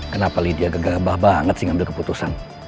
kenapa lydia gegabah banget sih ngambil keputusan